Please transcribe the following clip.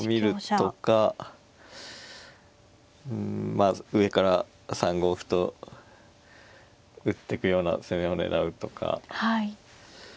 うんまあ上から３五歩と打ってくような攻めを狙うとか。